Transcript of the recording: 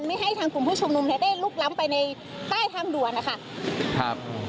ไม่ให้ทางกลุ่มผู้ชมลุมจะได้ลุกล้ำไปในใต้ทางด่วนนะคะ